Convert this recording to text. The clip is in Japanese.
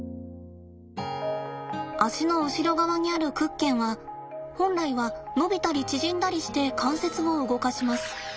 足の後ろ側にある屈腱は本来は伸びたり縮んだりして関節を動かします。